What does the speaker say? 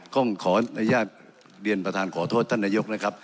ขออนุญาตเรียนประธานขอโทษท่านนายกนะครับ